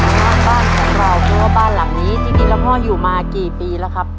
บ้านของเราเพราะว่าบ้านหลังนี้จริงแล้วพ่ออยู่มากี่ปีแล้วครับ